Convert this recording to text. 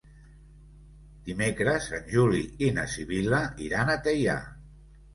Dimecres en Juli i na Sibil·la iran a Teià.